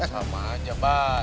sama aja pak